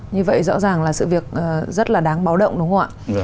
như vậy rõ ràng là sự việc rất là đáng báo động đúng không ạ